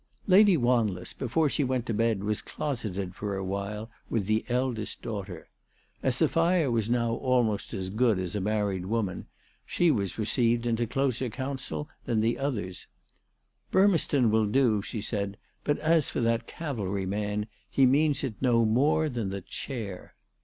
Lady Wanless, before she went to bed, was closeted for awhile with the eldest daughter. As Sophia was now almost as good as a married woman, she was re ceived into closer counsel than the others. "Burrnes ton will do/' she said ;" but, as for that Cavalry man, he means it no more than the chair."